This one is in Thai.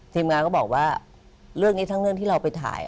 ทีมงานก็บอกว่าเรื่องนี้ทั้งเรื่องที่เราไปถ่าย